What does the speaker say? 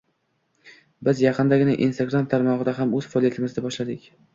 Biz yaqindagina instagram tarmog'ida ham o'z faoliyatimizni boshladik!